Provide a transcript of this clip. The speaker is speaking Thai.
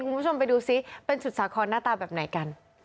คุณผู้ชมไปดูซิเป็นสุดสาครหน้าตาแบบไหนกัน